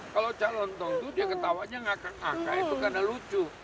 kalau cak lontong itu dia ketawanya ngakak aka itu karena lucu